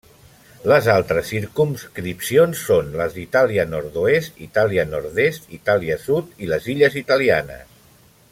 Les altres circumscripcions són les d'Itàlia nord-oest, Itàlia nord-est, Itàlia sud i les Illes italianes.